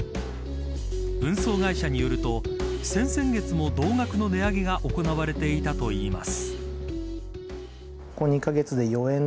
運送会社によると先々月も同額の値上げが行われていたといいます。